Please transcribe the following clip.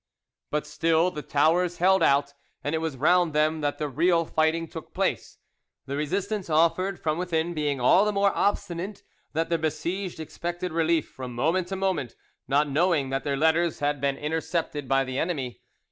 But still the towers held out, and it was round them that the real fighting took place, the resistance offered from within being all the more obstinate that the besieged expected relief from moment to moment, not knowing that their letters had been intercepted by the enemy.